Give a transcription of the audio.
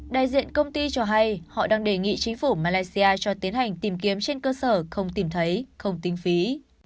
đại diện công ty cho hay họ đang đề nghị chính phủ malaysia cho tiến hành tìm kiếm trên cơ sở không tìm thấy không tính phí